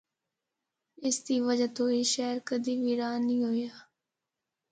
اس دی وجہ تو اے شہر کدی ویران نیں ہویا۔